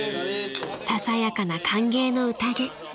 ［ささやかな歓迎の宴］